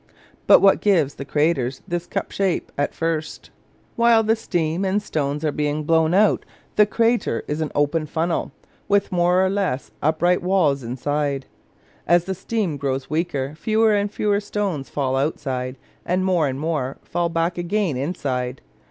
But what gives the craters this cup shape at first? Think While the steam and stones are being blown out, the crater is an open funnel, with more or less upright walls inside. As the steam grows weaker, fewer and fewer stones fall outside, and more and more fall back again inside.